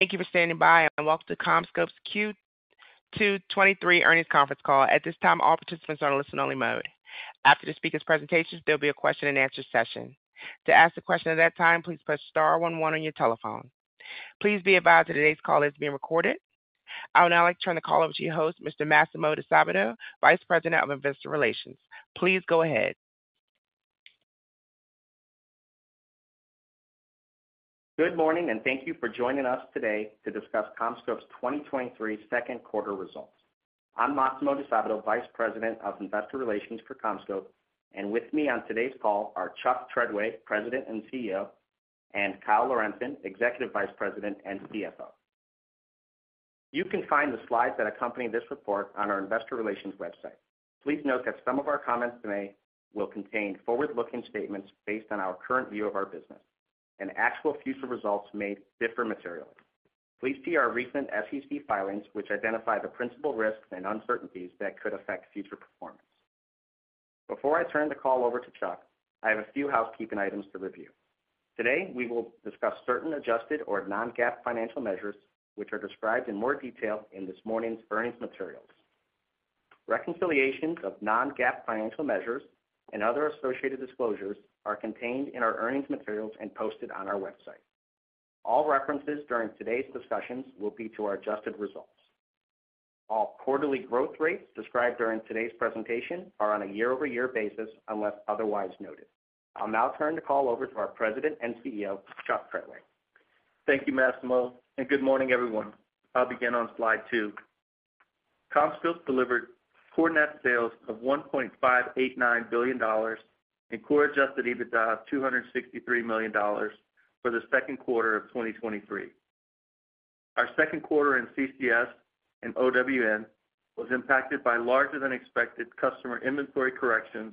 Thank you for standing by, welcome to CommScope's Q2 2023 earnings conference call. At this time, all participants are on listen-only mode. After the speaker's presentations, there'll be a question-and-answer session. To ask a question at that time, please press star one one on your telephone. Please be advised that today's call is being recorded. I would now like to turn the call over to your host, Mr. Massimo De Sabato, Vice President of Investor Relations. Please go ahead. Good morning, thank you for joining us today to discuss CommScope's 2023 second quarter results. I'm Massimo De Sabato, Vice President of Investor Relations for CommScope, and with me on today's call are Chuck Treadway, President and CEO, and Kyle Lorenzen, Executive Vice President and CFO. You can find the slides that accompany this report on our investor relations website. Please note that some of our comments today will contain forward-looking statements based on our current view of our business, and actual future results may differ materially. Please see our recent SEC filings, which identify the principal risks and uncertainties that could affect future performance. Before I turn the call over to Chuck, I have a few housekeeping items to review. Today, we will discuss certain adjusted or non-GAAP financial measures, which are described in more detail in this morning's earnings materials. Reconciliations of non-GAAP financial measures and other associated disclosures are contained in our earnings materials and posted on our website. All references during today's discussions will be to our adjusted results. All quarterly growth rates described during today's presentation are on a year-over-year basis, unless otherwise noted. I'll now turn the call over to our President and CEO, Chuck Treadway. Thank you, Massimo. Good morning, everyone. I'll begin on Slide 2. CommScope delivered core net sales of $1.589 billion and core adjusted EBITDA of $263 million for the second quarter of 2023. Our second quarter in CCS and OWN was impacted by larger-than-expected customer inventory corrections,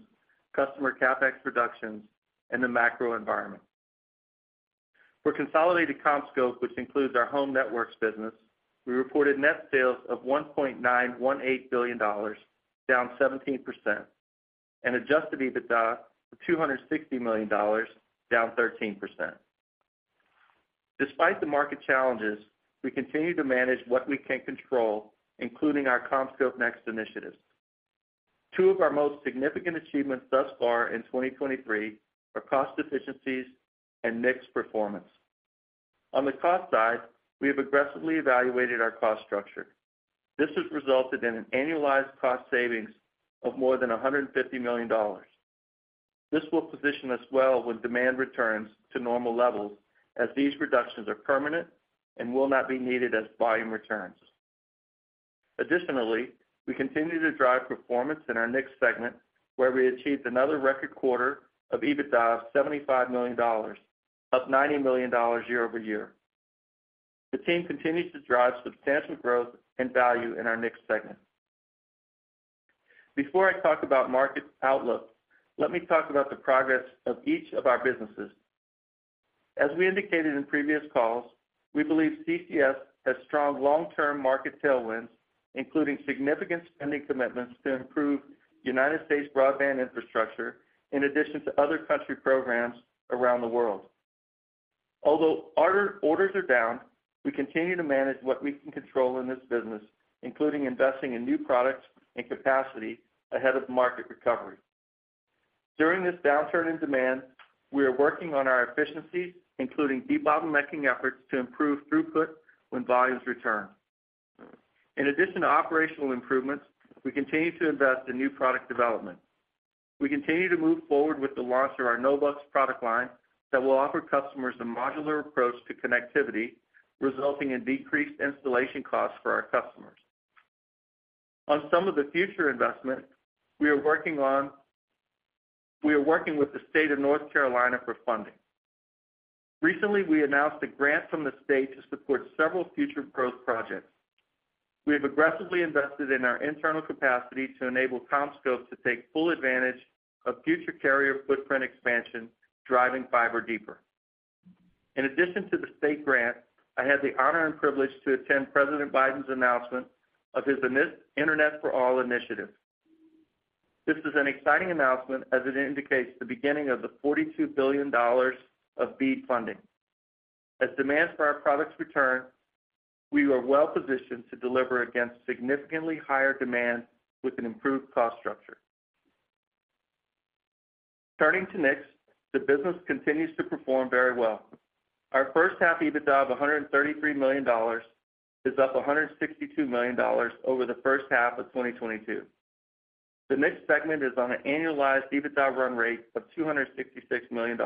customer CapEx reductions, and the macro environment. For consolidated CommScope, which includes our home networks business, we reported net sales of $1.918 billion, down 17%, and adjusted EBITDA of $260 million, down 13%. Despite the market challenges, we continue to manage what we can control, including our CommScope NEXT initiatives. Two of our most significant achievements thus far in 2023 are cost efficiencies and mix performance. On the cost side, we have aggressively evaluated our cost structure. This has resulted in an annualized cost savings of more than $150 million. This will position us well when demand returns to normal levels, as these reductions are permanent and will not be needed as volume returns. Additionally, we continue to drive performance in our CommScope NEXT segment, where we achieved another record quarter of EBITDA of $75 million, up $90 million year-over-year. The team continues to drive substantial growth and value in our CommScope NEXT segment. Before I talk about market outlook, let me talk about the progress of each of our businesses. As we indicated in previous calls, we believe CCS has strong long-term market tailwinds, including significant spending commitments to improve United States broadband infrastructure, in addition to other country programs around the world. Although order, orders are down, we continue to manage what we can control in this business, including investing in new products and capacity ahead of market recovery. During this downturn in demand, we are working on our efficiencies, including debottlenecking efforts to improve throughput when volumes return. In addition to operational improvements, we continue to invest in new product development. We continue to move forward with the launch of our No-Box product line that will offer customers a modular approach to connectivity, resulting in decreased installation costs for our customers. We are working with the state of North Carolina for funding. Recently, we announced a grant from the state to support several future growth projects. We have aggressively invested in our internal capacity to enable CommScope to take full advantage of future carrier footprint expansion, driving fiber deeper. In addition to the state grant, I had the honor and privilege to attend President Biden's announcement of his Internet for All initiative. This is an exciting announcement as it indicates the beginning of the $42 billion of BEAD funding. As demand for our products return, we are well positioned to deliver against significantly higher demand with an improved cost structure. Turning to Next, the business continues to perform very well. Our first half EBITDA of $133 million is up $162 million over the first half of 2022. The Next segment is on an annualized EBITDA run rate of $266 million.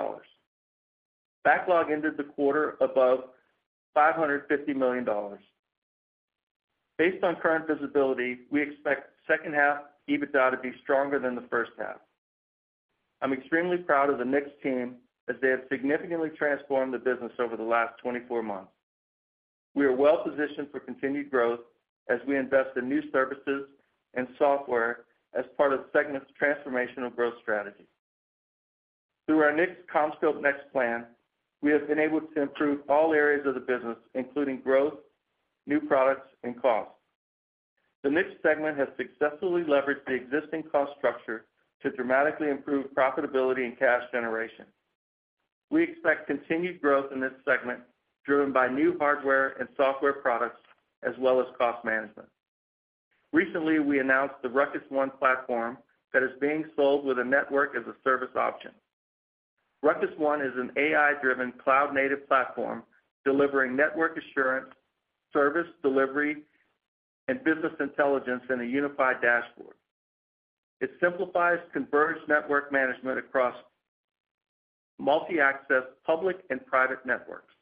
Backlog ended the quarter above $550 million. Based on current visibility, we expect second half EBITDA to be stronger than the first half. I'm extremely proud of the next team as they have significantly transformed the business over the last 24 months. We are well positioned for continued growth as we invest in new services and software as part of the segment's transformational growth strategy. Through our CommScope NEXT plan, we have been able to improve all areas of the business, including growth, new products, and costs. The NICS segment has successfully leveraged the existing cost structure to dramatically improve profitability and cash generation. We expect continued growth in this segment, driven by new hardware and software products, as well as cost management. Recently, we announced the RUCKUS One platform that is being sold with a Network-as-a-Service option. RUCKUS One is an AI-driven, cloud-native platform delivering network assurance, service delivery, and business intelligence in a unified dashboard. It simplifies converged network management across multi-access, public and private networks.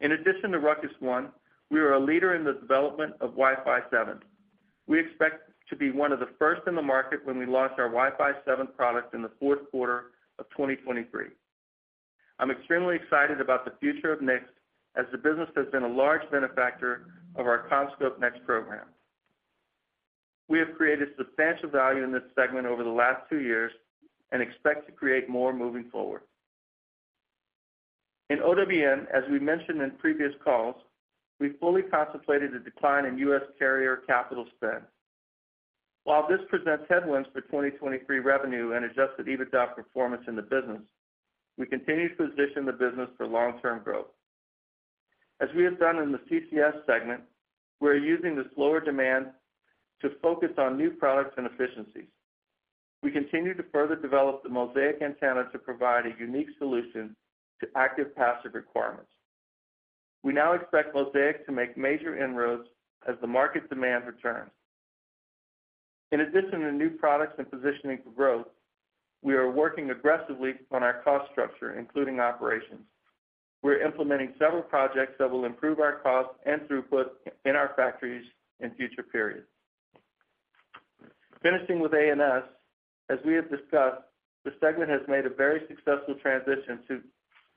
In addition to RUCKUS One, we are a leader in the development of Wi-Fi 7. We expect to be one of the first in the market when we launch our Wi-Fi 7 product in the fourth quarter of 2023. I'm extremely excited about the future of NICS, as the business has been a large benefactor of our CommScope NEXT program. We have created substantial value in this segment over the last two years and expect to create more moving forward. In OWN, as we mentioned in previous calls, we fully contemplated a decline in U.S. carrier capital spend. While this presents headwinds for 2023 revenue and adjusted EBITDA performance in the business, we continue to position the business for long-term growth. As we have done in the CCS segment, we are using the slower demand to focus on new products and efficiencies. We continue to further develop the MOSAIC antenna to provide a unique solution to active passive requirements. We now expect MOSAIC to make major inroads as the market demand returns. In addition to new products and positioning for growth, we are working aggressively on our cost structure, including operations. We're implementing several projects that will improve our cost and throughput in our factories in future periods. Finishing with A&S, as we have discussed, the segment has made a very successful transition to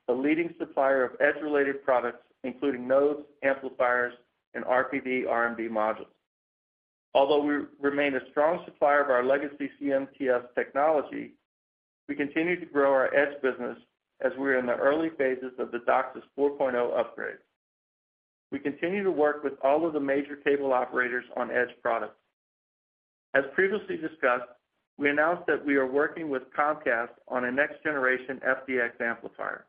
the leading supplier of edge-related products, including nodes, amplifiers, and RPD, RMD modules. Although we remain a strong supplier of our legacy CMTS technology, we continue to grow our edge business as we are in the early phases of the DOCSIS 4.0 upgrade. We continue to work with all of the major cable operators on edge products. As previously discussed, we announced that we are working with Comcast on a next-generation FDX amplifier.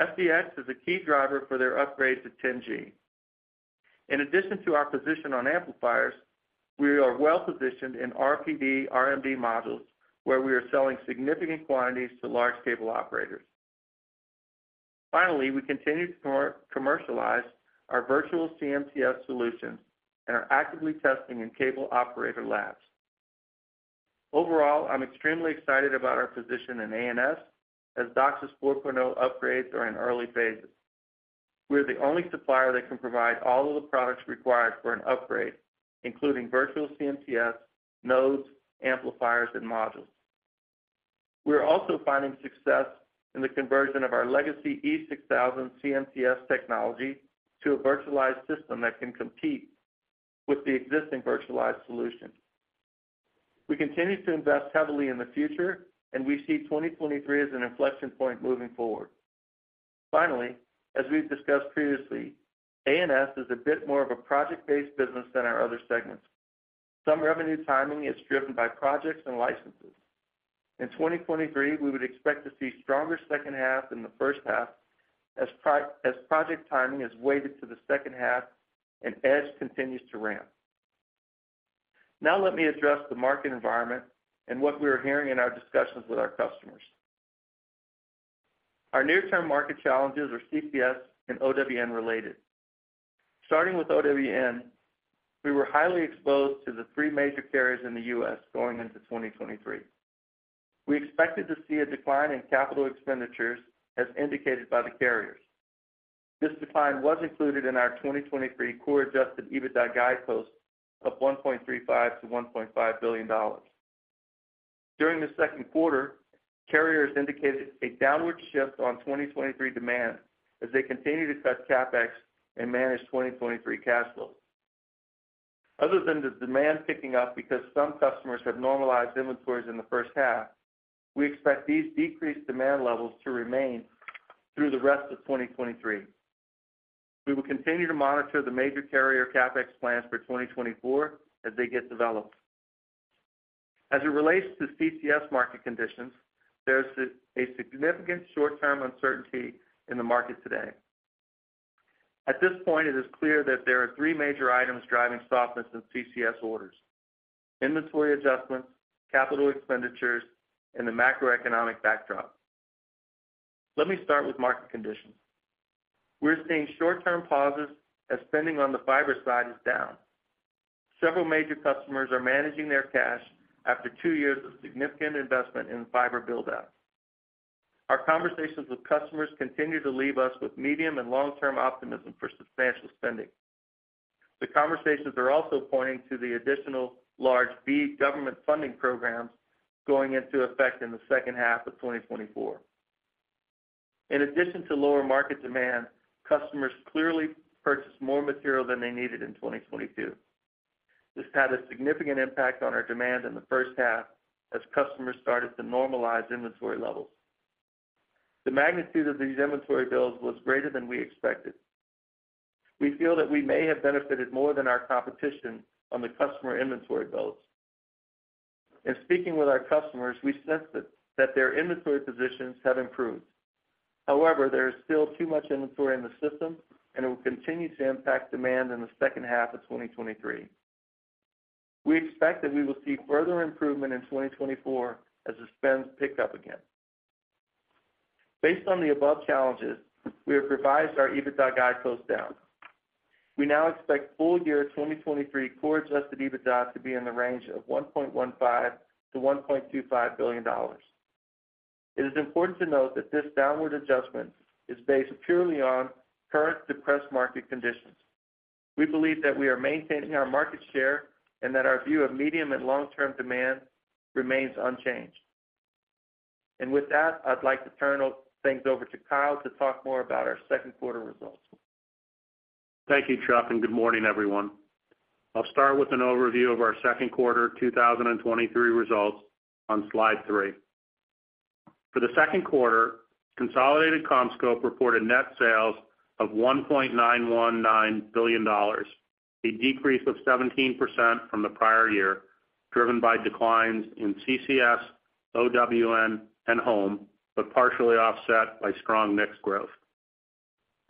FDX is a key driver for their upgrade to 10G. In addition to our position on amplifiers, we are well positioned in RPD, RMD modules, where we are selling significant quantities to large cable operators. Finally, we continue to more commercialize our virtual CMTS solutions and are actively testing in cable operator labs. Overall, I'm extremely excited about our position in A&S, as DOCSIS 4.0 upgrades are in early phases. We are the only supplier that can provide all of the products required for an upgrade, including virtual CMTS, nodes, amplifiers, and modules. We are also finding success in the conversion of our legacy E6000 CMTS technology to a virtualized system that can compete with the existing virtualized solution. We continue to invest heavily in the future, and we see 2023 as an inflection point moving forward. Finally, as we've discussed previously, A&S is a bit more of a project-based business than our other segments. Some revenue timing is driven by projects and licenses. In 2023, we would expect to see stronger second half than the first half, as project timing is weighted to the second half and edge continues to ramp. Now let me address the market environment and what we are hearing in our discussions with our customers. Our near-term market challenges are CPS and OWN related. Starting with OWN, we were highly exposed to the three major carriers in the U.S. going into 2023. We expected to see a decline in CapEx as indicated by the carriers. This decline was included in our 2023 core adjusted EBITDA guide post of $1.35 billion-$1.5 billion. During the second quarter, carriers indicated a downward shift on 2023 demand as they continue to cut CapEx and manage 2023 cash flows. Other than the demand picking up because some customers have normalized inventories in the first half, we expect these decreased demand levels to remain through the rest of 2023. We will continue to monitor the major carrier CapEx plans for 2024 as they get developed. As it relates to CCS market conditions, there's a significant short-term uncertainty in the market today. At this point, it is clear that there are three major items driving softness in CCS orders: inventory adjustments, capital expenditures, and the macroeconomic backdrop. Let me start with market conditions. We're seeing short-term pauses as spending on the fiber side is down. Several major customers are managing their cash after two years of significant investment in fiber build-out. Our conversations with customers continue to leave us with medium and long-term optimism for substantial spending. The conversations are also pointing to the additional large-B government funding programs going into effect in the second half of 2024. In addition to lower market demand, customers clearly purchased more material than they needed in 2022. This had a significant impact on our demand in the first half as customers started to normalize inventory levels. The magnitude of these inventory builds was greater than we expected. We feel that we may have benefited more than our competition on the customer inventory builds. In speaking with our customers, we sensed that their inventory positions have improved. However, there is still too much inventory in the system, and it will continue to impact demand in the second half of 2023. We expect that we will see further improvement in 2024 as the spends pick up again. Based on the above challenges, we have revised our EBITDA guidance down. We now expect full year 2023 core adjusted EBITDA to be in the range of $1.15 billion-$1.25 billion. It is important to note that this downward adjustment is based purely on current depressed market conditions. We believe that we are maintaining our market share and that our view of medium and long-term demand remains unchanged. With that, I'd like to turn things over to Kyle to talk more about our second quarter results. Thank you, Chuck. Good morning, everyone. I'll start with an overview of our second quarter 2023 results on Slide 3. For the second quarter, consolidated CommScope reported net sales of $1.919 billion, a decrease of 17% from the prior year, driven by declines in CCS, OWN, and Home, but partially offset by strong mix growth.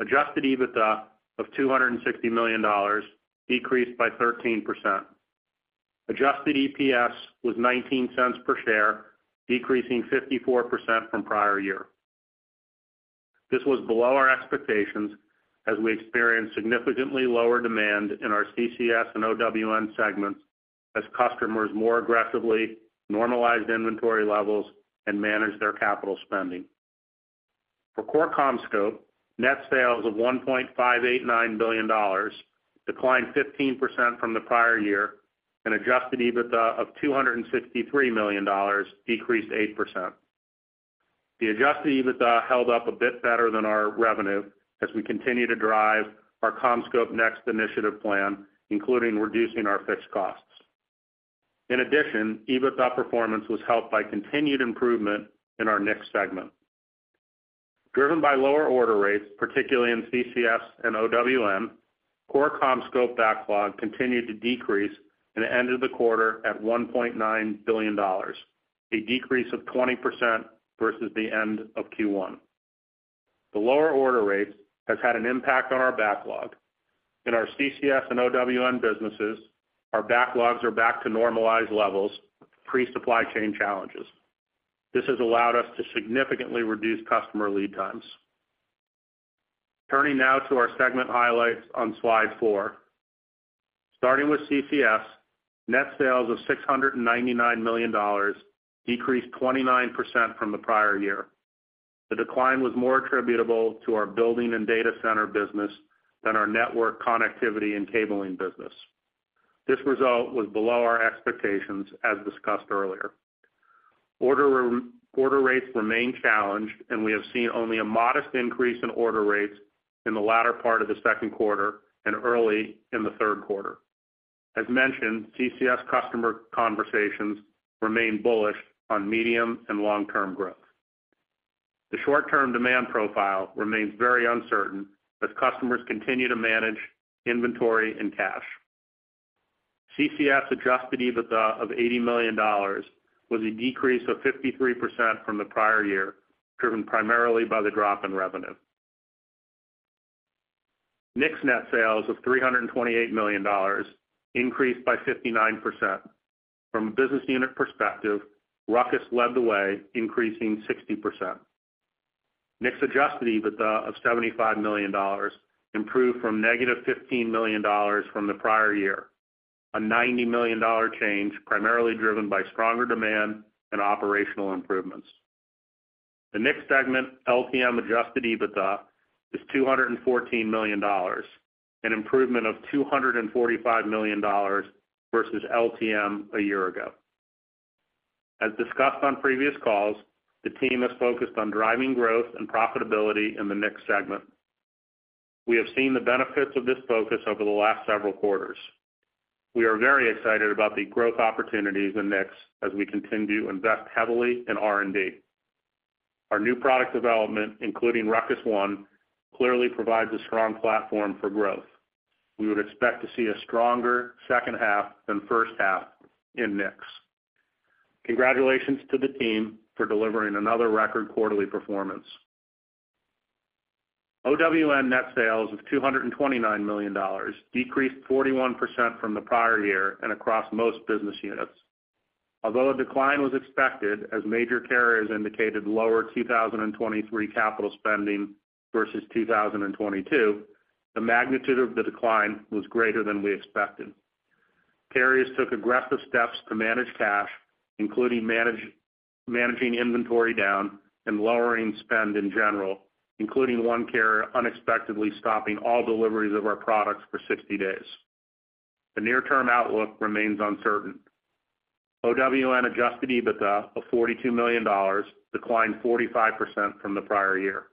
Adjusted EBITDA of $260 million, decreased by 13%. Adjusted EPS was $0.19 per share, decreasing 54% from prior year. This was below our expectations as we experienced significantly lower demand in our CCS and OWN segments, as customers more aggressively normalized inventory levels and managed their capital spending. For core CommScope, net sales of $1.589 billion declined 15% from the prior year. Adjusted EBITDA of $263 million decreased 8%. The adjusted EBITDA held up a bit better than our revenue as we continue to drive our CommScope NEXT initiative plan, including reducing our fixed costs. EBITDA performance was helped by continued improvement in our next segment. Driven by lower order rates, particularly in CCS and OWN, core CommScope backlog continued to decrease and ended the quarter at $1.9 billion, a decrease of 20% versus the end of Q1. The lower order rates has had an impact on our backlog. In our CCS and OWN businesses, our backlogs are back to normalized levels, pre-supply chain challenges. This has allowed us to significantly reduce customer lead times. Turning now to our segment highlights on Slide 4. Starting with CCS, net sales of $699 million decreased 29% from the prior year. The decline was more attributable to our building and data center business than our network connectivity and cabling business. This result was below our expectations, as discussed earlier. Order rates remain challenged, and we have seen only a modest increase in order rates in the latter part of the second quarter and early in the third quarter. As mentioned, CCS customer conversations remain bullish on medium and long-term growth. The short-term demand profile remains very uncertain as customers continue to manage inventory and cash. CCS adjusted EBITDA of $80 million was a decrease of 53% from the prior year, driven primarily by the drop in revenue. NICS net sales of $328 million increased by 59%. From a business unit perspective, RUCKUS led the way, increasing 60%. NICS adjusted EBITDA of $75 million improved from -$15 million from the prior year, a $90 million change, primarily driven by stronger demand and operational improvements. The NICS segment, LTM adjusted EBITDA, is $214 million, an improvement of $245 million versus LTM a year ago. As discussed on previous calls, the team is focused on driving growth and profitability in the NICS segment. We have seen the benefits of this focus over the last several quarters. We are very excited about the growth opportunities in NICS as we continue to invest heavily in R&D. Our new product development, including RUCKUS One, clearly provides a strong platform for growth. We would expect to see a stronger second half than first half in NICS. Congratulations to the team for delivering another record quarterly performance. OWN net sales of $229 million decreased 41% from the prior year and across most business units. Although a decline was expected as major carriers indicated lower 2023 capital spending versus 2022, the magnitude of the decline was greater than we expected. Carriers took aggressive steps to manage cash, including managing inventory down and lowering spend in general, including one carrier unexpectedly stopping all deliveries of our products for 60 days. The near-term outlook remains uncertain. OWN adjusted EBITDA of $42 million declined 45% from the prior year.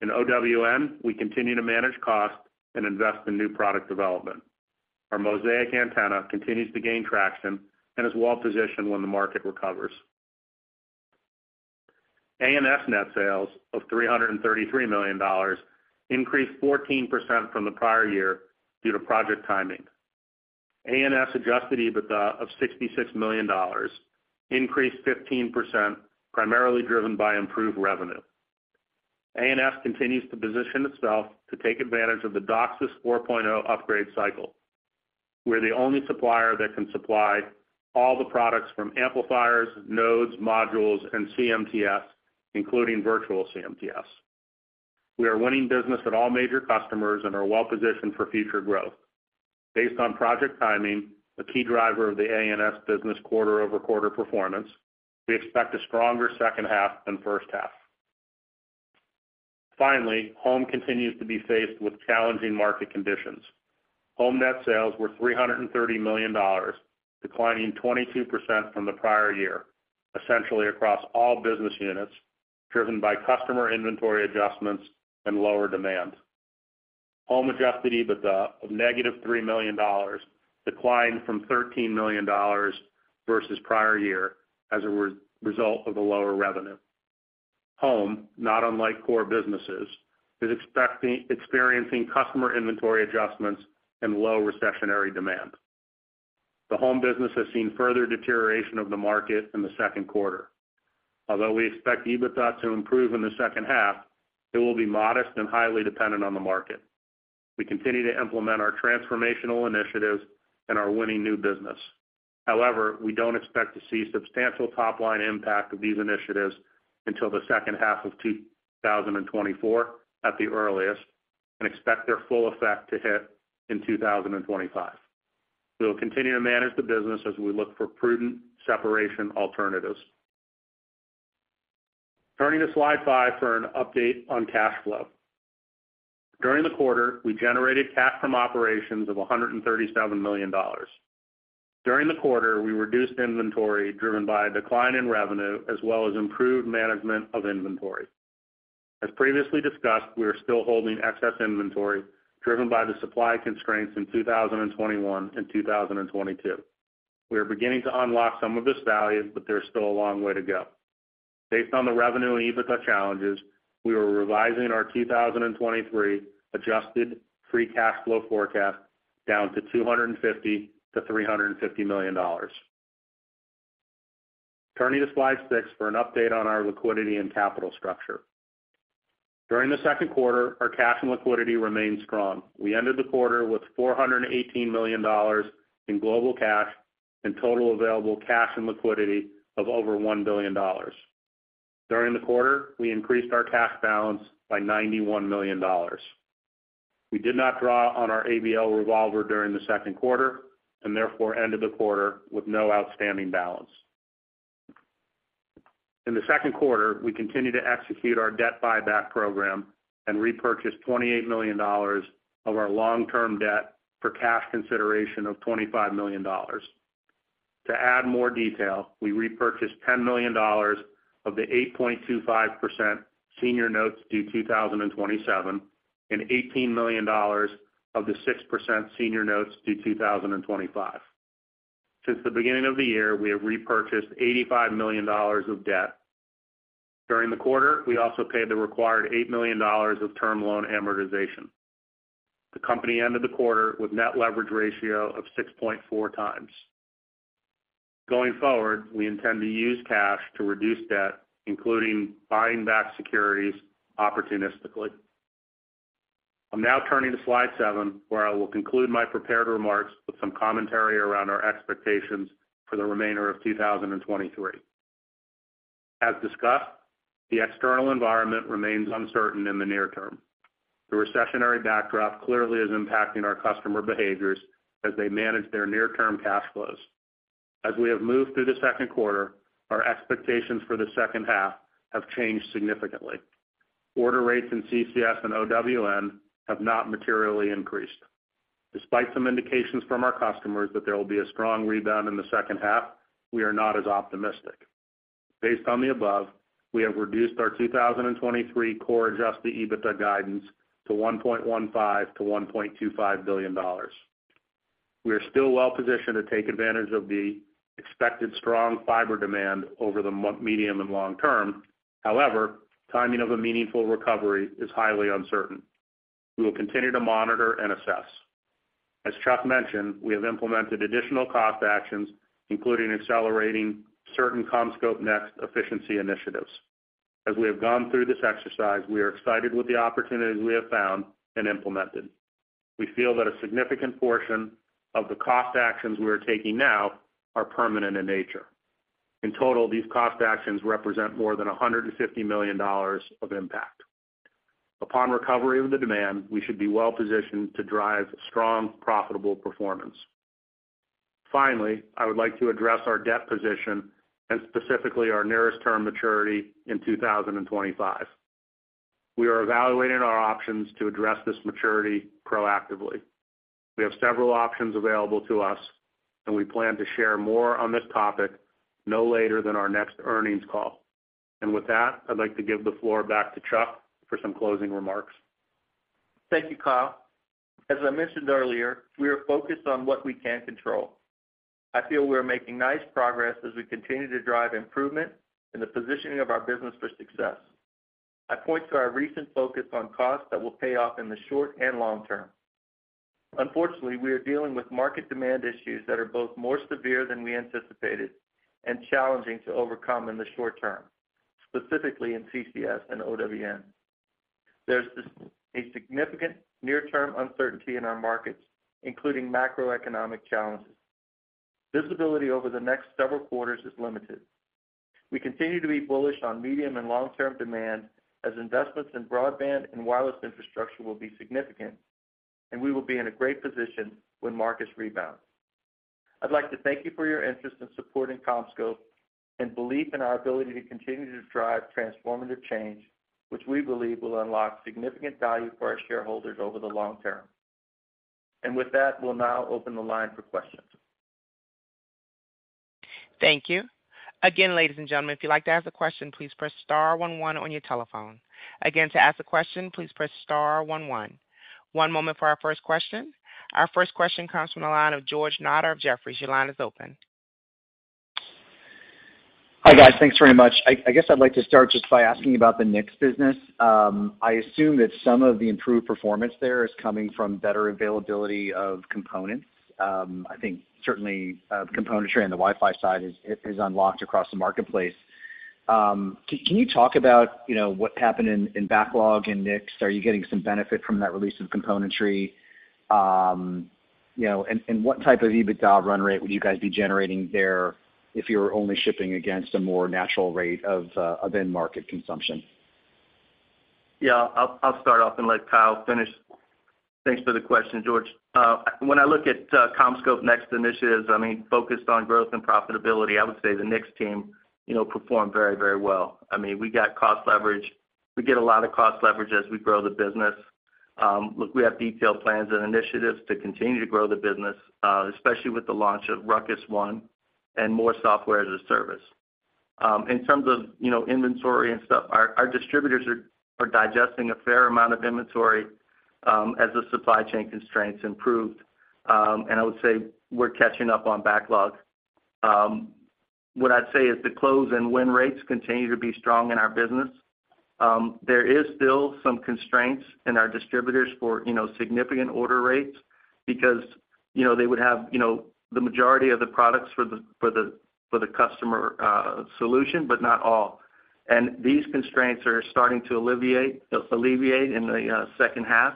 In OWN, we continue to manage costs and invest in new product development. Our Mosaic antenna continues to gain traction and is well-positioned when the market recovers. A&S net sales of $333 million increased 14% from the prior year due to project timing. A&S adjusted EBITDA of $66 million increased 15%, primarily driven by improved revenue. A&S continues to position itself to take advantage of the DOCSIS 4.0 upgrade cycle. We're the only supplier that can supply all the products from amplifiers, nodes, modules, and CMTS, including virtual CMTS. We are winning business at all major customers and are well-positioned for future growth. Based on project timing, a key driver of the A&S business quarter-over-quarter performance, we expect a stronger second half than first half. Home continues to be faced with challenging market conditions. Home net sales were $330 million, declining 22% from the prior year, essentially across all business units, driven by customer inventory adjustments and lower demand. Home adjusted EBITDA of -$3 million, declined from $13 million versus prior year as a result of the lower revenue. Home, not unlike core businesses, is experiencing customer inventory adjustments and low recessionary demand. The Home business has seen further deterioration of the market in the second quarter. Although we expect EBITDA to improve in the second half, it will be modest and highly dependent on the market. We continue to implement our transformational initiatives and are winning new business. However, we don't expect to see substantial top-line impact of these initiatives until the second half of 2024 at the earliest, and expect their full effect to hit in 2025. We will continue to manage the business as we look for prudent separation alternatives. Turning to Slide 5 for an update on cash flow. During the quarter, we generated cash from operations of $137 million. During the quarter, we reduced inventory driven by a decline in revenue, as well as improved management of inventory. As previously discussed, we are still holding excess inventory, driven by the supply constraints in 2021 and 2022. We are beginning to unlock some of this value, but there's still a long way to go. Based on the revenue and EBITDA challenges, we are revising our 2023 adjusted free cash flow forecast down to $250 million-$350 million. Turning to Slide 6 for an update on our liquidity and capital structure. During the second quarter, our cash and liquidity remained strong. We ended the quarter with $418 million in global cash and total available cash and liquidity of over $1 billion. During the quarter, we increased our cash balance by $91 million. We did not draw on our ABL revolver during the second quarter, and therefore ended the quarter with no outstanding balance. In the second quarter, we continued to execute our debt buyback program and repurchased $28 million of our long-term debt for cash consideration of $25 million. To add more detail, we repurchased $10 million of the 8.25% senior notes due 2027, and $18 million of the 6% senior notes due 2025. Since the beginning of the year, we have repurchased $85 million of debt. During the quarter, we also paid the required $8 million of term loan amortization. The company ended the quarter with net leverage ratio of 6.4 times. Going forward, we intend to use cash to reduce debt, including buying back securities opportunistically. I'm now turning to Slide 7, where I will conclude my prepared remarks with some commentary around our expectations for the remainder of 2023. As discussed, the external environment remains uncertain in the near term. The recessionary backdrop clearly is impacting our customer behaviors as they manage their near-term cash flows. As we have moved through the second quarter, our expectations for the second half have changed significantly. Order rates in CCS and OWN have not materially increased. Despite some indications from our customers that there will be a strong rebound in the second half, we are not as optimistic. Based on the above, we have reduced our 2023 core adjusted EBITDA guidance to $1.15 billion-$1.25 billion. We are still well positioned to take advantage of the expected strong fiber demand over the medium and long term. However, timing of a meaningful recovery is highly uncertain. We will continue to monitor and assess. As Chuck mentioned, we have implemented additional cost actions, including accelerating certain CommScope NEXT efficiency initiatives. As we have gone through this exercise, we are excited with the opportunities we have found and implemented. We feel that a significant portion of the cost actions we are taking now are permanent in nature. In total, these cost actions represent more than $150 million of impact. Upon recovery of the demand, we should be well positioned to drive strong, profitable performance. Finally, I would like to address our debt position and specifically our nearest term maturity in 2025. We are evaluating our options to address this maturity proactively. We have several options available to us, and we plan to share more on this topic no later than our next earnings call. With that, I'd like to give the floor back to Chuck for some closing remarks. Thank you, Kyle. As I mentioned earlier, we are focused on what we can control. I feel we are making nice progress as we continue to drive improvement in the positioning of our business for success. I point to our recent focus on costs that will pay off in the short and long term. Unfortunately, we are dealing with market demand issues that are both more severe than we anticipated and challenging to overcome in the short term, specifically in CCS and OWN. There's a significant near-term uncertainty in our markets, including macroeconomic challenges. Visibility over the next several quarters is limited. We continue to be bullish on medium and long-term demand, as investments in broadband and wireless infrastructure will be significant, and we will be in a great position when markets rebound. I'd like to thank you for your interest in supporting CommScope and belief in our ability to continue to drive transformative change, which we believe will unlock significant value for our shareholders over the long term. With that, we'll now open the line for questions. Thank you. Again, ladies and gentlemen, if you'd like to ask a question, please press star one one on your telephone. Again, to ask a question, please press star one one. One moment for our first question. Our first question comes from the line of George Notter of Jefferies. Your line is open. Hi, guys. Thanks very much. I guess I'd like to start just by asking about the NICS business. I assume that some of the improved performance there is coming from better availability of components. I think certainly, componentry on the Wi‑Fi side is, is unlocked across the marketplace. Can you talk about, you know, what happened in, in backlog and NICS? Are you getting some benefit from that release of componentry? You know, and what type of EBITDA run rate would you guys be generating there if you were only shipping against a more natural rate of end market consumption? Yeah, I'll, I'll start off and let Kyle finish. Thanks for the question, George. When I look at CommScope NEXT initiatives, I mean, focused on growth and profitability, I would say the NICS team, you know, performed very, very well. I mean, we got cost leverage. We get a lot of cost leverage as we grow the business. Look, we have detailed plans and initiatives to continue to grow the business, especially with the launch of RUCKUS One and more Software-as-a-Service. In terms of, you know, inventory and stuff, our, our distributors are, are digesting a fair amount of inventory as the supply chain constraints improved. I would say we're catching up on backlog. What I'd say is the close and win rates continue to be strong in our business. There is still some constraints in our distributors for significant order rates because they would have the majority of the products for the customer solution, but not all. These constraints are starting to alleviate, alleviate in the second half.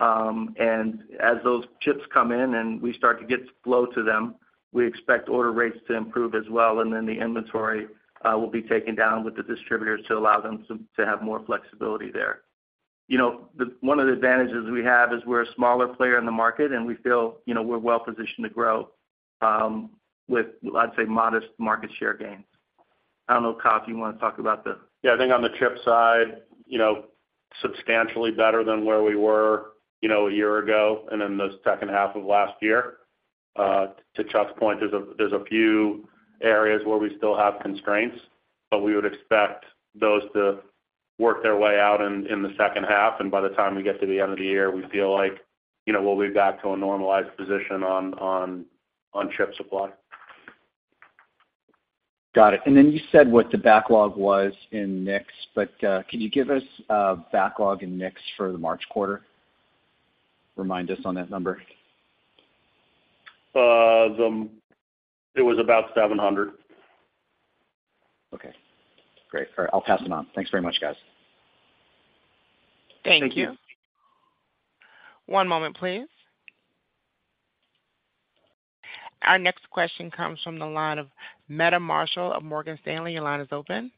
As those chips come in and we start to get flow to them, we expect order rates to improve as well, then the inventory will be taken down with the distributors to allow them to have more flexibility there. The-- one of the advantages we have is we're a smaller player in the market, and we feel we're well positioned to grow with, I'd say, modest market share gains. I don't know, Kyle, if you want to talk about this. Yeah, I think on the chip side, you know, substantially better than where we were, you know, a year ago and in the second half of last year. To Chuck's point, there's a, there's a few areas where we still have constraints, but we would expect those to work their way out in, in the second half, and by the time we get to the end of the year, we feel like, you know, we'll be back to a normalized position on, on, on chip supply. Got it. You said what the backlog was in NICS, but could you give us backlog in NICS for the March quarter? Remind us on that number. It was about 700. Okay, great. All right, I'll pass it on. Thanks very much, guys. Thank you. Thank you. One moment, please. Our next question comes from the line of Meta Marshall of Morgan Stanley. Your line is open.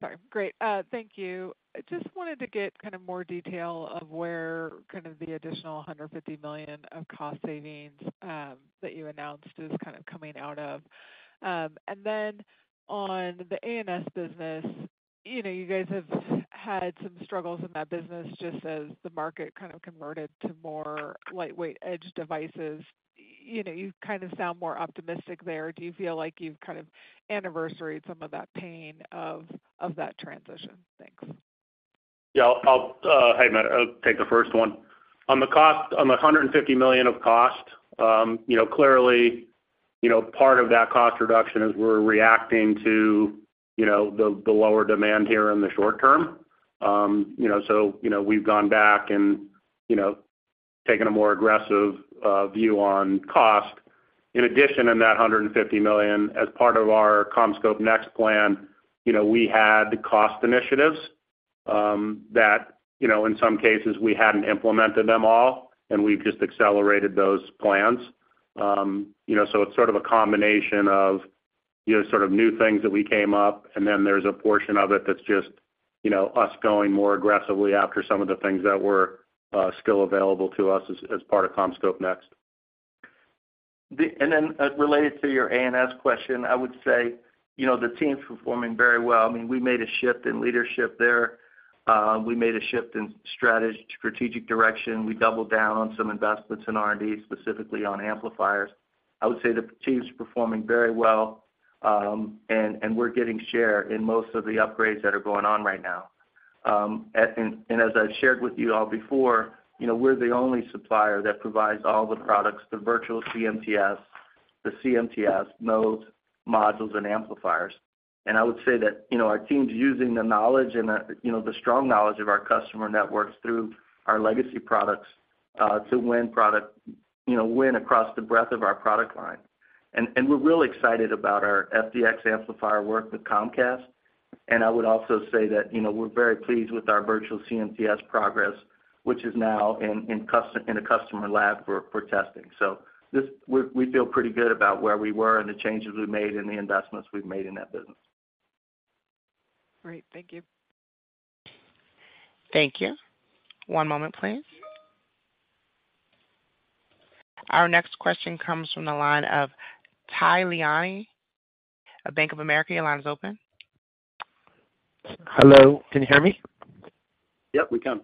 Sorry. Great, thank you. I just wanted to get kind of more detail of where kind of the additional $150 million of cost savings that you announced is kind of coming out of? On the A&S business, you know, you guys have had some struggles in that business just as the market kind of converted to more lightweight edge devices. You know, you kind of sound more optimistic there. Do you feel like you've kind of anniversaried some of that pain of that transition? Thanks. Yeah, I'll, Hey, Meta, I'll take the first one. On the cost, on the $150 million of cost, you know, clearly, you know, part of that cost reduction is we're reacting to, you know, the, the lower demand here in the short term. You know, you know, we've gone back and, you know, taken a more aggressive view on cost. In addition, in that $150 million, as part of our CommScope NEXT plan, you know, we had cost initiatives, that, you know, in some cases we hadn't implemented them all, and we've just accelerated those plans. You know, it's sort of a combination of, you know, sort of new things that we came up, and then there's a portion of it that's just, you know, us going more aggressively after some of the things that were still available to us as, as part of CommScope NEXT. Related to your A&S question, I would say, you know, the team's performing very well. I mean, we made a shift in leadership there. We made a shift in strategic direction. We doubled down on some investments in R&D, specifically on amplifiers. I would say the team's performing very well, and we're getting share in most of the upgrades that are going on right now. And as I've shared with you all before, you know, we're the only supplier that provides all the products, the virtual CMTS, the CMTS, nodes, modules, and amplifiers. And I would say that, you know, our team's using the knowledge and the strong knowledge of our customer networks through our legacy products, to win product, win across the breadth of our product line. We're really excited about our FDX amplifier work with Comcast. I would also say that, you know, we're very pleased with our virtual CMTS progress, which is now in a customer lab for testing. This, we, we feel pretty good about where we were and the changes we made and the investments we've made in that business. Great. Thank you. Thank you. One moment, please. Our next question comes from the line of Tal Liani of Bank of America. Your line is open. Hello, can you hear me? Yep, we can.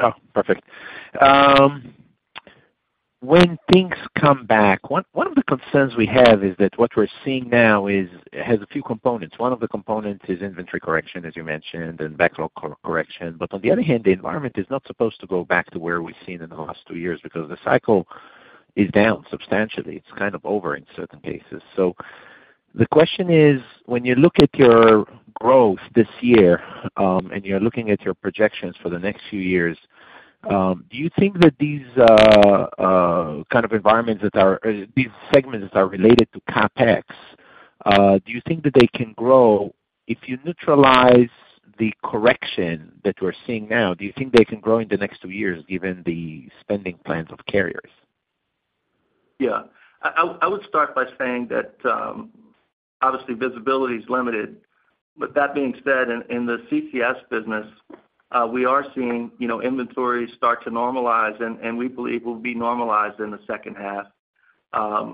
Oh, perfect. When things come back, one of the concerns we have is that what we're seeing now is, has a few components. One of the components is inventory correction, as you mentioned, and backlog correction. On the other hand, the environment is not supposed to go back to where we've seen in the last two years because the cycle is down substantially. It's kind of over in certain cases. The question is, when you look at your growth this year, and you're looking at your projections for the next few years, do you think that these kind of environments that are, these segments that are related to CapEx, do you think that they can grow if you neutralize the correction that we're seeing now? Do you think they can grow in the next two years given the spending plans of carriers? Yeah. I, I, I would start by saying that, obviously, visibility is limited. That being said, in, in the CCS business, we are seeing, you know, inventory start to normalize, and, and we believe will be normalized in the second half.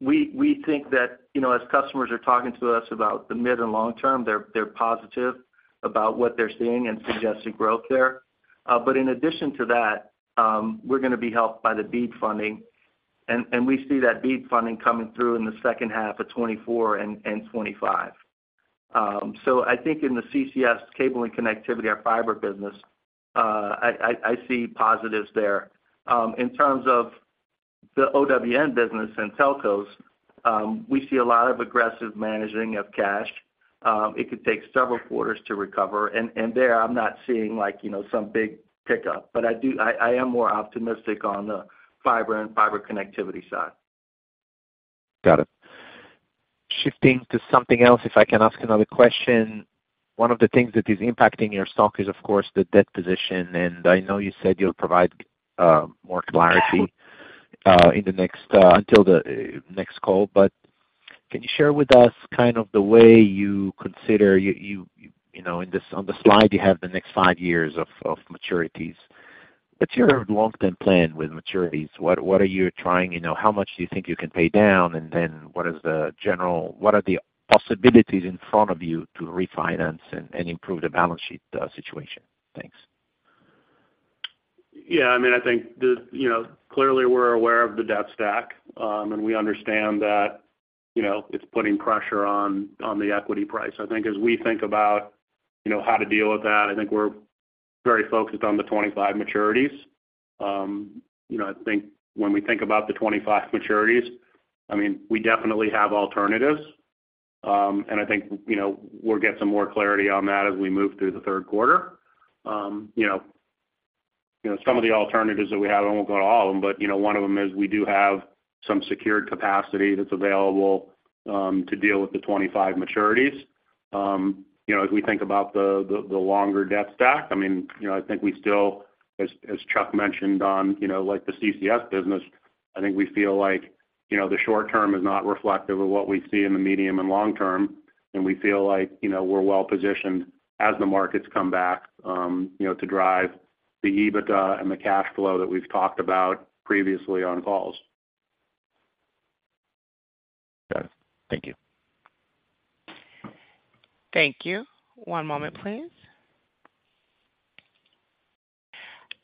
We, we think that, you know, as customers are talking to us about the mid and long term, they're, they're positive about what they're seeing and suggesting growth there. In addition to that, we're gonna be helped by the BEAD funding, and, and we see that BEAD funding coming through in the second half of 2024 and, and 2025. I think in the CCS cable and connectivity, our fiber business, I, I, I see positives there. In terms of the OWN business and telcos, we see a lot of aggressive managing of cash. It could take several quarters to recover, and there I'm not seeing like, you know, some big pickup. I am more optimistic on the fiber and fiber connectivity side. Got it. Shifting to something else, if I can ask another question. One of the things that is impacting your stock is, of course, the debt position, and I know you said you'll provide more clarity in the next until the next call. Can you share with us kind of the way you consider, you, you know, in this, on the slide, you have the next five years of maturities. What's your long-term plan with maturities? What are you trying, you know, how much do you think you can pay down, and then what are the possibilities in front of you to refinance and improve the balance sheet situation? Thanks. Yeah, I mean, I think the, you know, clearly, we're aware of the debt stack, and we understand that, you know, it's putting pressure on, on the equity price. I think as we think about, you know, how to deal with that, I think we're very focused on the 25 maturities. You know, I think when we think about the 25 maturities, I mean, we definitely have alternatives. And I think, you know, we'll get some more clarity on that as we move through the third quarter. You know, you know, some of the alternatives that we have, I won't go to all of them, but, you know, one of them is we do have some secured capacity that's available, to deal with the 25 maturities. As we think about the, the, the longer debt stack, I think we still, as Chuck mentioned on, like the CCS business, I think we feel like the short term is not reflective of what we see in the medium and long term, and we feel like we're well positioned as the markets come back to drive the EBITDA and the cash flow that we've talked about previously on calls. Got it. Thank you. Thank you. One moment, please.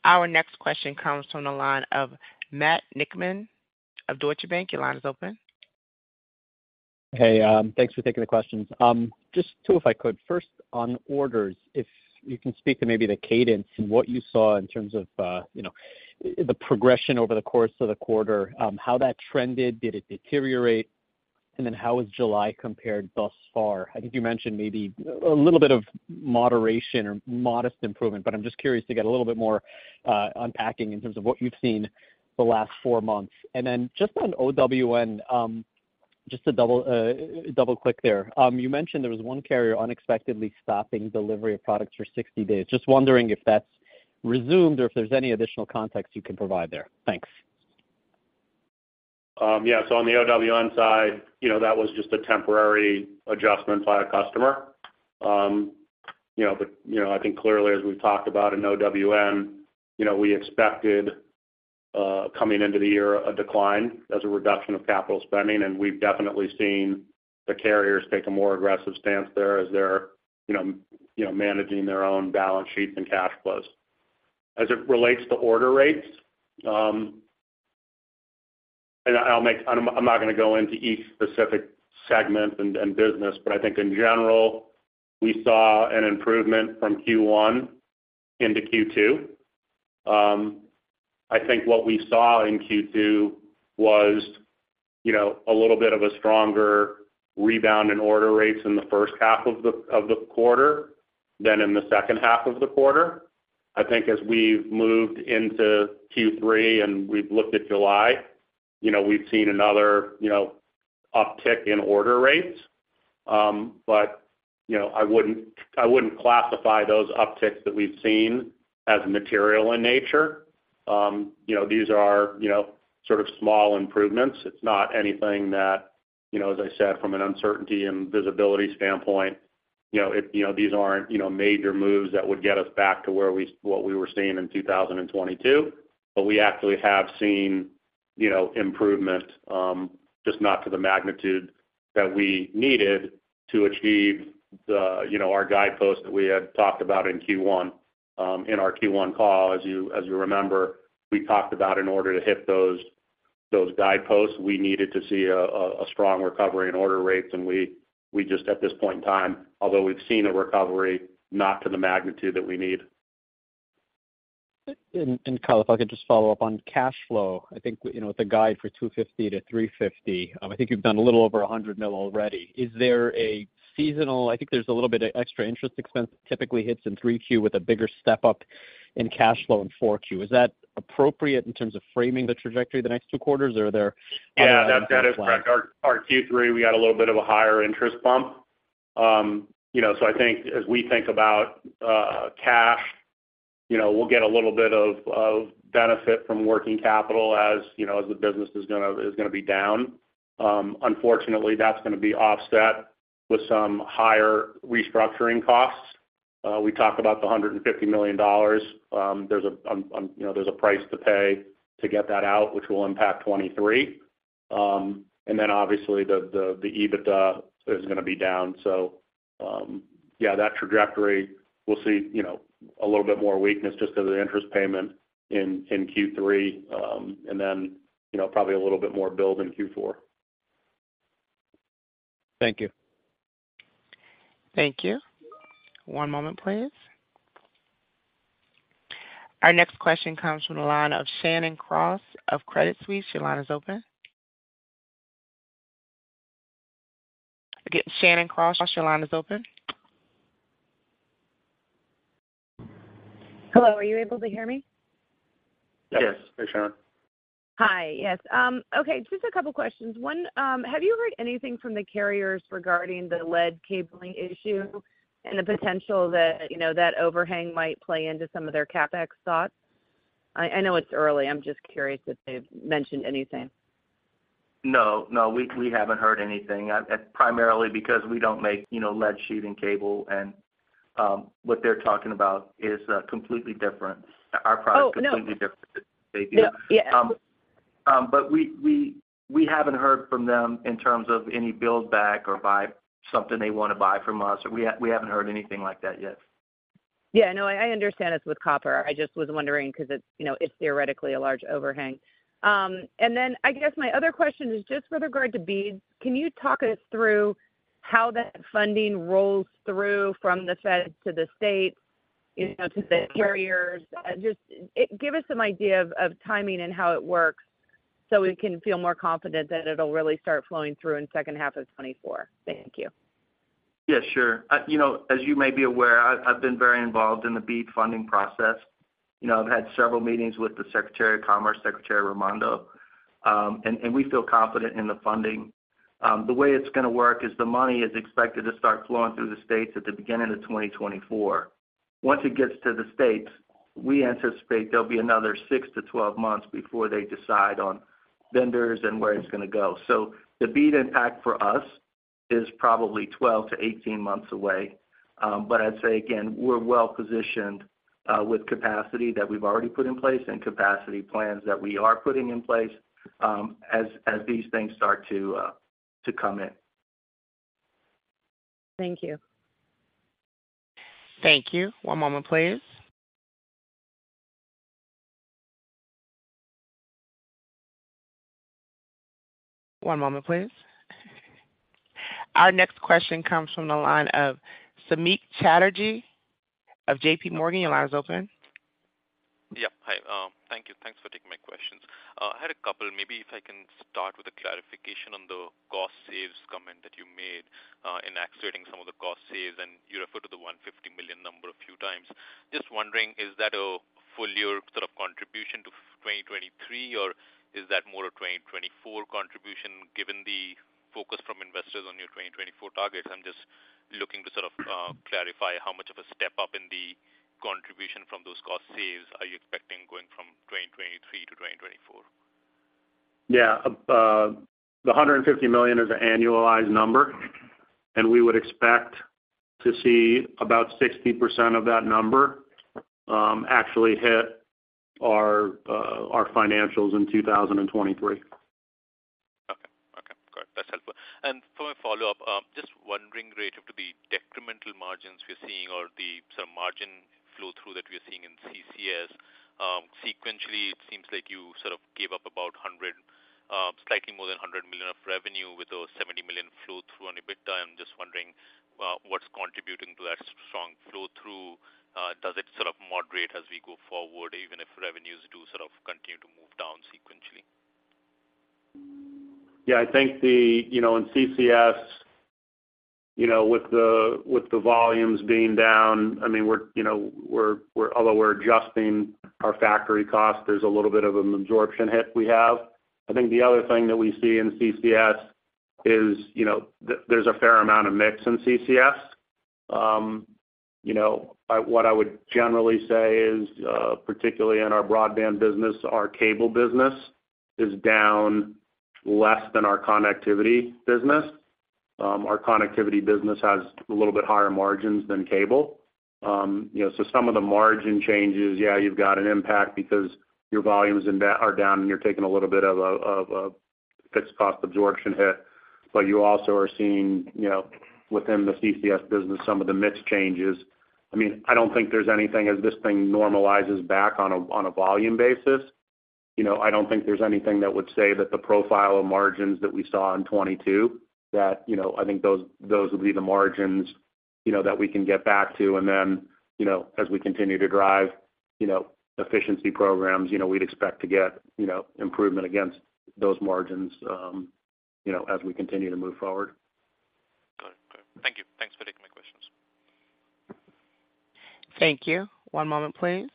Our next question comes from the line of Matt Niknam of Deutsche Bank. Your line is open. Hey, thanks for taking the questions. Just 2, if I could. First, on orders, if you can speak to maybe the cadence and what you saw in terms of, you know, the progression over the course of the quarter, how that trended, did it deteriorate? How has July compared thus far? I think you mentioned maybe a little bit of moderation or modest improvement, but I'm just curious to get a little bit more unpacking in terms of what you've seen the last four months. Just on OWN, just to double-click there. You mentioned there was one carrier unexpectedly stopping delivery of products for 60 days. Just wondering if that's resumed or if there's any additional context you can provide there. Thanks. Yeah, on the OWN side, you know, that was just a temporary adjustment by a customer. You know, I think clearly, as we've talked about in OWN, you know, we expected coming into the year, a decline as a reduction of capital spending, and we've definitely seen the carriers take a more aggressive stance there as they're, you know, managing their own balance sheets and cash flows. As it relates to order rates, I'm not gonna go into each specific segment and business, but I think in general, we saw an improvement from Q1 into Q2. I think what we saw in Q2 was, you know, a little bit of a stronger rebound in order rates in the first half of the, of the quarter than in the second half of the quarter. I think as we've moved into Q3 and we've looked at July, you know, we've seen another, you know, uptick in order rates. You know, I wouldn't, I wouldn't classify those upticks that we've seen as material in nature. You know, these are, you know, sort of small improvements. It's not anything that, you know, as I said, from an uncertainty and visibility standpoint, you know, these aren't, you know, major moves that would get us back to what we were seeing in 2022. We actually have seen, you know, improvement, just not to the magnitude that we needed to achieve the, you know, our guidepost that we had talked about in Q1. In our Q1 call, as you, as you remember, we talked about in order to hit those, those guideposts, we needed to see a, a, a strong recovery in order rates, and we, we just, at this point in time, although we've seen a recovery, not to the magnitude that we need. Kyle, if I could just follow up on cash flow. I think, you know, with the guide for $250 million-$350 million, I think you've done a little over $100 million already. Is there a seasonal... I think there's a little bit of extra interest expense that typically hits in 3Q with a bigger step-up in cash flow in 4Q. Is that appropriate in terms of framing the trajectory of the next two quarters, or are there? That, that is correct. Our Q3, we got a little bit of a higher interest bump. You know, so I think as we think about cash, you know, we'll get a little bit of benefit from working capital, as, you know, as the business is gonna be down. Unfortunately, that's gonna be offset with some higher restructuring costs. We talked about the $150 million. You know, there's a price to pay to get that out, which will impact 2023. Obviously, the EBITDA is gonna be down. That trajectory, we'll see, you know, a little bit more weakness just because of the interest payment in Q3, and then, you know, probably a little bit more build in Q4. Thank you. Thank you. One moment, please. Our next question comes from the line of Shannon Cross of Credit Suisse. Your line is open. Again, Shannon Cross, your line is open. Hello, are you able to hear me? Yes. Hey, Shannon. Hi. Yes, okay. Just a couple questions. One, have you heard anything from the carriers regarding the lead cabling issue and the potential that, you know, that overhang might play into some of their CapEx thoughts? I, I know it's early. I'm just curious if they've mentioned anything. No, no, we, we haven't heard anything. Primarily because we don't make, you know, lead sheathing cable, and, what they're talking about is, completely different. Oh, no. Our product is completely different. Yeah. We, we, we haven't heard from them in terms of any build back or something they want to buy from us. We haven't heard anything like that yet. Yeah, no, I understand it's with copper. I just was wondering because it's, you know, it's theoretically a large overhang. I guess my other question is just with regard to BEAD. Can you talk us through how that funding rolls through from the Fed to the state, you know, to the carriers? Just, give us some idea of, of timing and how it works, so we can feel more confident that it'll really start flowing through in second half of 2024. Thank you. Yeah, sure. You know, as you may be aware, I've, I've been very involved in the BEAD funding process. You know, I've had several meetings with the Secretary of Commerce, Gina Raimondo, and we feel confident in the funding. The way it's gonna work is the money is expected to start flowing through the states at the beginning of 2024. Once it gets to the states, we anticipate there'll be another six-12 months before they decide on vendors and where it's gonna go. The BEAD impact for us is probably 12-18 months away. I'd say again, we're well positioned, with capacity that we've already put in place and capacity plans that we are putting in place, as, as these things start to come in. Thank you. Thank you. One moment, please. One moment, please. Our next question comes from the line of Samik Chatterjee of JPMorgan. Your line is open. Yeah. Hi, thank you. Thanks for taking my questions. I had a couple. Maybe if I can start with a clarification on the cost saves comment that you made, in accelerating some of the cost saves, and you referred to the $150 million number a few times. Just wondering, is that a full year sort of contribution to 2023, or is that more a 2024 contribution? Given the focus from investors on your 2024 targets, I'm just looking to sort of clarify how much of a step up in the contribution from those cost saves are you expecting going from 2023-2024?... Yeah, the $150 million is an annualized number, and we would expect to see about 60% of that number actually hit our financials in 2023. Okay. Okay, great. That's helpful. For a follow-up, just wondering relative to the decremental margins we're seeing or the sort of margin flow-through that we're seeing in CCS, sequentially, it seems like you sort of gave up about $100, slightly more than $100 million of revenue, with those $70 million flow-through on EBITDA. I'm just wondering what's contributing to that strong flow-through? Does it sort of moderate as we go forward, even if revenues do sort of continue to move down sequentially? Yeah, I think the, you know, in CCS, you know, with the, with the volumes being down, I mean, we're, you know, we're, although we're adjusting our factory cost, there's a little bit of an absorption hit we have. I think the other thing that we see in CCS is, you know, there's a fair amount of mix in CCS. You know, what I would generally say is, particularly in our broadband business, our cable business is down less than our connectivity business. Our connectivity business has a little bit higher margins than cable. You know, so some of the margin changes, yeah, you've got an impact because your volumes are down, and you're taking a little bit of a, of a fixed cost absorption hit, but you also are seeing, you know, within the CCS business, some of the mix changes. I mean, I don't think there's anything as this thing normalizes back on a, on a volume basis. You know, I don't think there's anything that would say that the profile of margins that we saw in 22, that, you know, I think those, those will be the margins, you know, that we can get back to. You know, as we continue to drive, you know, efficiency programs, you know, we'd expect to get, you know, improvement against those margins, you know, as we continue to move forward. Got it. Got it. Thank you. Thanks for taking my questions. Thank you. One moment, please.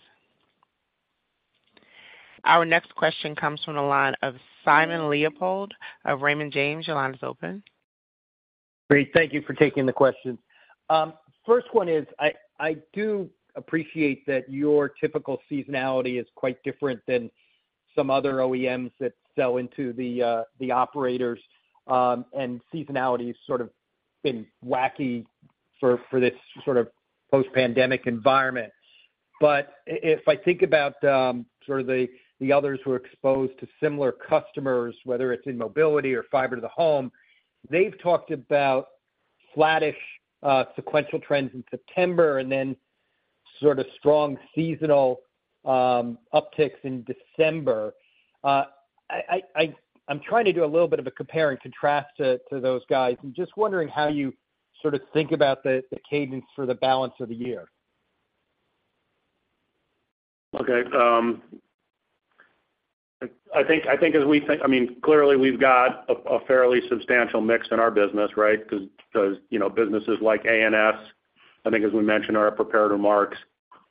Our next question comes from the line of Simon Leopold of Raymond James. Your line is open. Great, thank you for taking the question. First one is, I, I do appreciate that your typical seasonality is quite different than some other OEMs that sell into the, the operators, and seasonality has sort of been wacky for, for this sort of post-pandemic environment. If I think about, sort of the, the others who are exposed to similar customers, whether it's in mobility or fiber to the home, they've talked about flattish, sequential trends in September and then sort of strong seasonal, upticks in December. I, I, I'm trying to do a little bit of a compare and contrast to, to those guys, and just wondering how you sort of think about the, the cadence for the balance of the year. Okay, I think, I think as we think, I mean, clearly, we've got a, a fairly substantial mix in our business, right? Because, because, you know, businesses like A&S, I think, as we mentioned in our prepared remarks,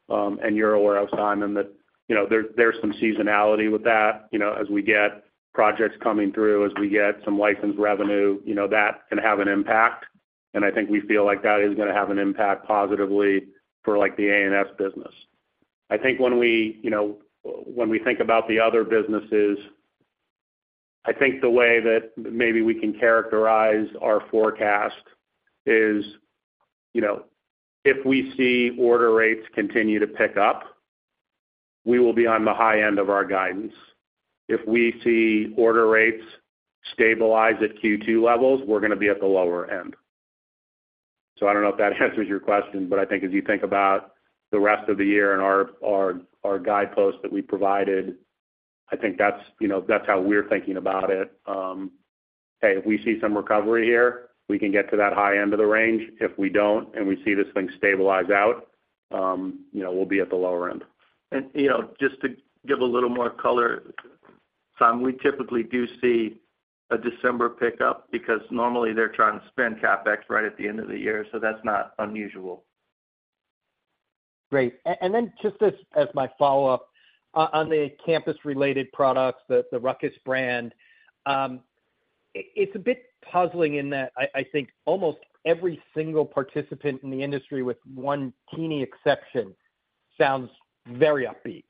and you're aware of, Simon, that, you know, there's, there's some seasonality with that. You know, as we get projects coming through, as we get some licensed revenue, you know, that can have an impact, and I think we feel like that is gonna have an impact positively for, like, the A&S business. I think when we, you know, when we think about the other businesses, I think the way that maybe we can characterize our forecast is, you know, if we see order rates continue to pick up, we will be on the high end of our guidance. If we see order rates stabilize at Q2 levels, we're gonna be at the lower end. I don't know if that answers your question, but I think as you think about the rest of the year and our, our, our guideposts that we provided, I think that's, you know, that's how we're thinking about it. Hey, if we see some recovery here, we can get to that high end of the range. If we don't, and we see this thing stabilize out, you know, we'll be at the lower end. you know, just to give a little more color, Simon, we typically do see a December pickup because normally they're trying to spend CapEx right at the end of the year, so that's not unusual. Great. Then just as, as my follow-up, on the campus-related products, the, the RUCKUS brand, it, it's a bit puzzling in that I, I think almost every single participant in the industry with one teeny exception, sounds very upbeat.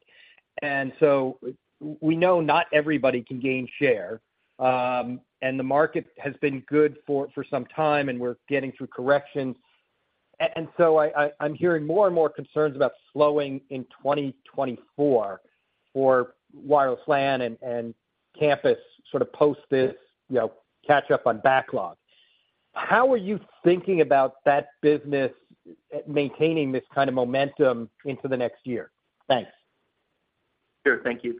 So we know not everybody can gain share, and the market has been good for, for some time, and we're getting through corrections. So I'm hearing more and more concerns about slowing in 2024 for wireless LAN and, and campus sort of post this, you know, catch up on backlog. How are you thinking about that business maintaining this kind of momentum into the next year? Thanks. Sure. Thank you.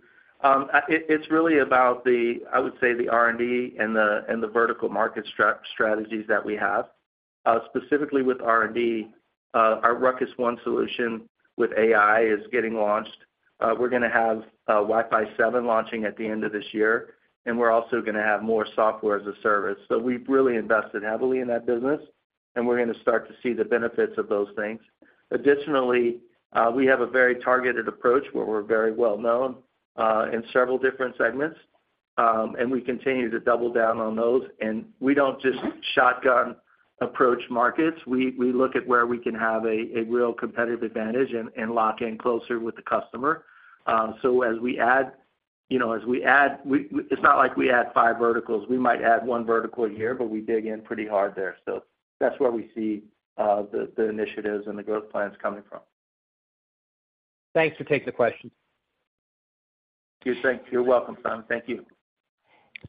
It's really about the, I would say, the R&D and the, and the vertical market strategies that we have. Specifically with R&D, our RUCKUS One solution with AI is getting launched. We're gonna have Wi‑Fi 7 launching at the end of this year, and we're also gonna have more Software-as-a-Service. We've really invested heavily in that business, and we're gonna start to see the benefits of those things. Additionally, we have a very targeted approach where we're very well known in several different segments, and we continue to double down on those. We don't just shotgun approach markets. We, we look at where we can have a, a real competitive advantage and, and lock in closer with the customer. As we add, you know, as we add... It's not like we add five verticals. We might add one vertical a year, but we dig in pretty hard there. That's where we see, the, the initiatives and the growth plans coming from. Thanks for taking the question. You're welcome, Simon. Thank you.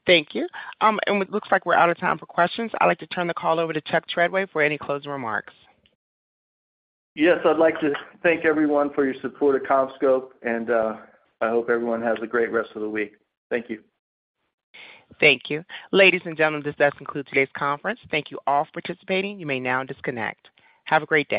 Thank you. It looks like we're out of time for questions. I'd like to turn the call over to Chuck Treadway for any closing remarks. Yes, I'd like to thank everyone for your support of CommScope, and I hope everyone has a great rest of the week. Thank you. Thank you. Ladies and gentlemen, this does conclude today's conference. Thank you all for participating. You may now disconnect. Have a great day.